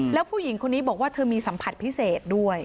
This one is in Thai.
แล้วผู้หญิงคนนี้บอกว่าเธอมีสัมผัสพิเศษด้วย